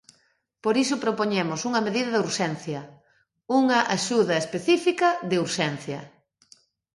Por iso propoñemos unha medida de urxencia, unha axuda específica de urxencia.